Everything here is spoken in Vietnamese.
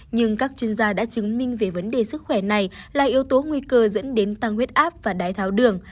nhưng các chuyên gia đã chứng minh về vấn đề sức khỏe này là yếu tố nguy cơ dẫn đến tăng huyết áp và đái tháo đường